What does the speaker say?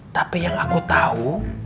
tapi yang aku tau